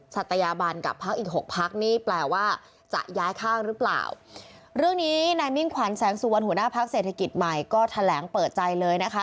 ศัตรยาภักดิ์เศรษฐกิจใหม่ก็แถลงเปิดใจเลยนะคะ